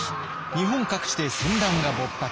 日本各地で戦乱が勃発。